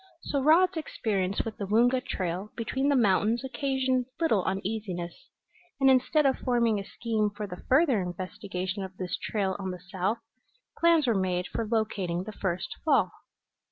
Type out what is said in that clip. So Rod's experience with the Woonga trail between the mountains occasioned little uneasiness, and instead of forming a scheme for the further investigation of this trail on the south, plans were made for locating the first fall.